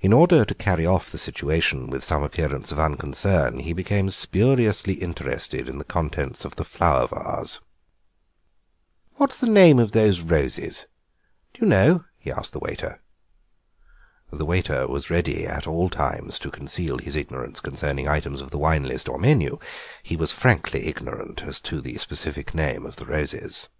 In order to carry off the situation with some appearance of unconcern he became spuriously interested in the contents of the flower vase. "What is the name of these roses, d'you know?" he asked the waiter. The waiter was ready at all times to conceal his ignorance concerning items of the wine list or menu; he was frankly ignorant as to the specific name of the roses.